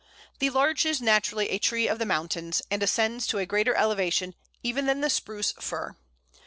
The Larch is naturally a tree of the mountains, and ascends to a greater elevation even than the Spruce Fir.